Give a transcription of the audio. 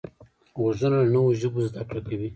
غوږونه له نوو ژبو زده کړه کوي